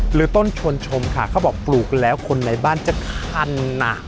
หรือต้นชวนชมค่ะเขาบอกปลูกแล้วคนในบ้านจะคันหนัก